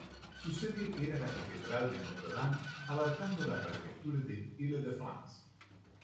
Su sede era la Catedral de Notre Dame, abarcando la prefectura de Île-de-France.